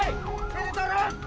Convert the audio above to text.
nih jil dulu